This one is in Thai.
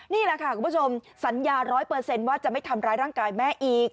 นี่แหละค่ะคุณผู้ชมสัญญา๑๐๐ว่าจะไม่ทำร้ายร่างกายแม่อีก